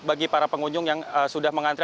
bagi para pengunjung yang sudah mengantri